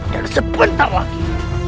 dan sebentar lagi